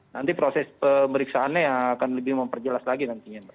nanti proses pemeriksaannya akan lebih memperjelas lagi nantinya mbak